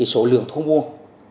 số lượng thông buôn